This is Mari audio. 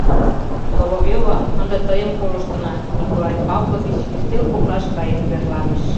— Соловьёва, ынде тыйым колыштына, — Николай Павлович ӱстел коклаш каен верланыш.